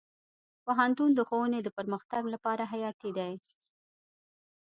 پوهنتون د ښوونې د پرمختګ لپاره حیاتي دی.